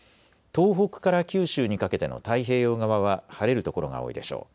東北から九州にかけての太平洋側は晴れる所が多いでしょう。